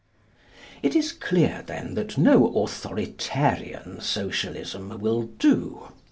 It is clear, then, that no Authoritarian Socialism will do.